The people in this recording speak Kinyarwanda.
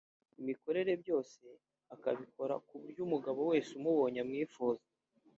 imikorere byose akabikora ku buryo umugabo wese umubonye amwifuza